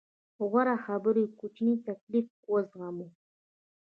غوره خبره کوچنی تکليف وزغمو.